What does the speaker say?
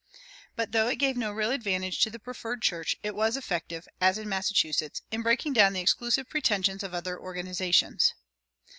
But though it gave no real advantage to the preferred church, it was effective (as in Massachusetts) in breaking down the exclusive pretensions of other organizations.